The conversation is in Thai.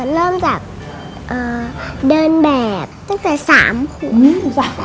เริ่มจากเดินแบบตั้งแต่๓ขุมจ้ะ